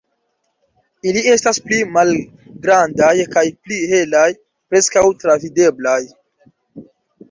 Ili estas pli malgrandaj kaj pli helaj, preskaŭ travideblaj.